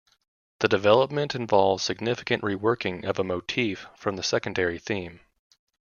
The development involves significant re-working of a motif from the secondary theme.